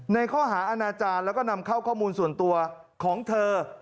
ข้อหาอาณาจารย์แล้วก็นำเข้าข้อมูลส่วนตัวของเธอ